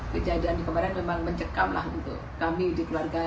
kejadian kemarin memang mencekamlah untuk kami di keluarga